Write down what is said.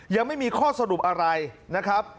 ยังไม่มีข้อสรุปอะไรนะครับ